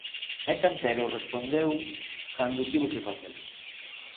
E Cantero respondeu cando tivo que facelo.